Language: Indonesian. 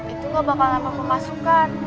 itu gak bakal lama pemasukan